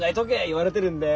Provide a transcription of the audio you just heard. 言われてるんで。